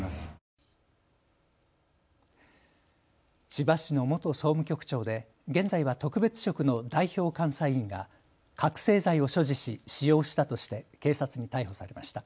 千葉市の元総務局長で現在は特別職の代表監査委員が覚醒剤を所持し使用したとして警察に逮捕されました。